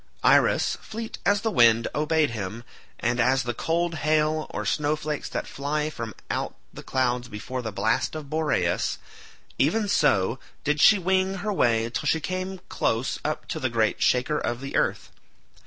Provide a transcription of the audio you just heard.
Iris, fleet as the wind, obeyed him, and as the cold hail or snow flakes that fly from out the clouds before the blast of Boreas, even so did she wing her way till she came close up to the great shaker of the earth.